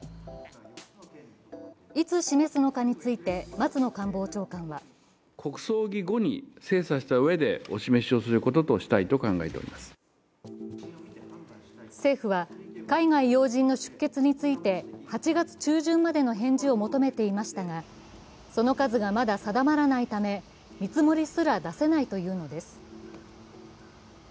いつ示すのかについて松野官房長官は政府は海外要人の出欠について、８月中旬までの返事を求めていましたがその数がまだ定まらないため見積もりすら出せないというのです。